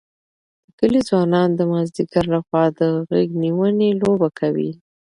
د کلي ځوانان د مازدیګر لخوا د غېږ نیونې لوبه کوي.